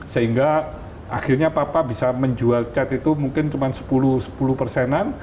sehingga akhirnya papa bisa menjual cat itu mungkin cuma sepuluh persenan